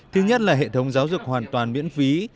thứ nhất là hệ thống giáo dục hoàn toàn miễn phí